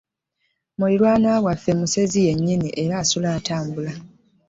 Mulirwana waffe musezi yennyini era assula atambula.